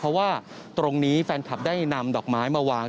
เพราะว่าตรงนี้แฟนคลับได้นำดอกไม้มาวาง